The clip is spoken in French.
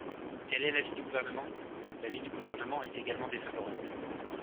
Quel est l’avis du Gouvernement ? L’avis du Gouvernement est également défavorable.